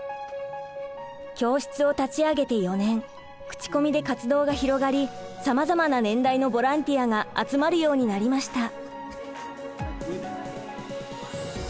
口コミで活動が広がりさまざまな年代のボランティアが集まるようになりました。